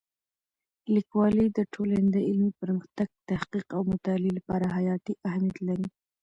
لیکوالی د ټولنې د علمي پرمختګ، تحقیق او مطالعې لپاره حیاتي اهمیت لري.